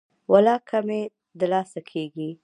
ولاکه مې د لاسه کیږي.